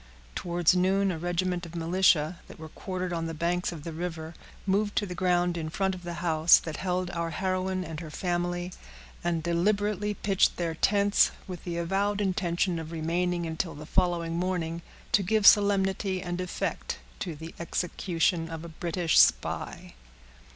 Towards noon, a regiment of militia, that were quartered on the banks of the river, moved to the ground in front of the house that held our heroine and her family, and deliberately pitched their tents, with the avowed intention of remaining until the following morning, to give solemnity and effect to the execution of a British spy.